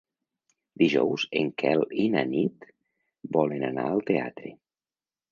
Dijous en Quel i na Nit volen anar al teatre.